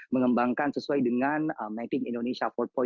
mengembangkan sesuai dengan making indonesia empat